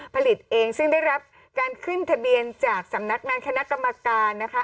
ผลิตเองซึ่งได้รับการขึ้นทะเบียนจากสำนักงานคณะกรรมการนะคะ